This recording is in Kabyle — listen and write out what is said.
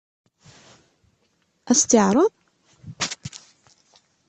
Ad as-tt-yeɛṛeḍ?